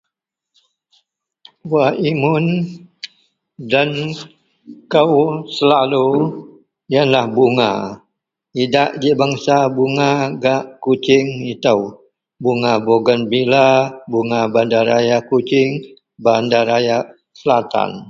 Wak imun den kou selalu iyenlah bunga idak ji bangsa bunga gak kuching ito bunga vogenvilla bunga bandaraya kuching bandaraya selatan.